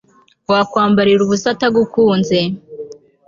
wakwambarira ubusa atagukunze